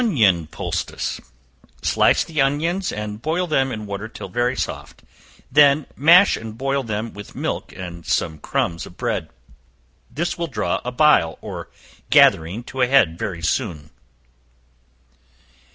Onion Poultice. Slice the onions and boil them in water till very soft; then mash and boil them with milk and some crumbs of bread. This will draw a bile or gathering to a head very soon.